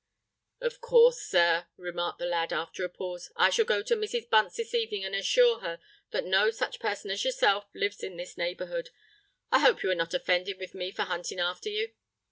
"Of course, sir," remarked the lad, after a pause, "I shall go to Mrs. Bunce this evening and assure her that no such person as yourself lives in this neighbourhood. I hope you are not offended with me for hunting after you?"